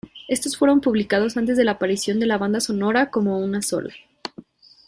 Estos fueron publicados antes de la aparición de la banda sonora como una sola.